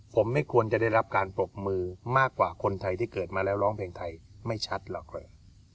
ผมไม่ควรจะได้รับการปรบมือมากกว่าคนไทยที่เกิดมาแล้วร้องเพลงไทยไม่ชัดหรอกเลย